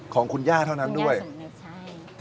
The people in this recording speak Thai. ของคุณย่าเท่านั้นด้วยคุณย่าสนุกใช่